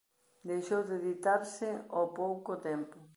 Deixou de editarse ao pouco tempo.